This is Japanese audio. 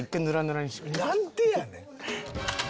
何でやねん！